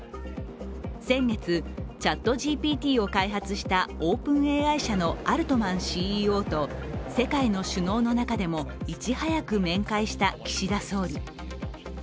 先月、ＣｈａｔＧＰＴを開発したＯｐｅｎＡＩ社のアルトマンＣＥＯと世界の首脳の中でもいち早く面会した岸田総理。